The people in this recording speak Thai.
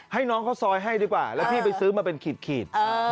ให้น้องข้าวซอยให้ดีกว่าแล้วพี่ไปซื้อมาเป็นขีด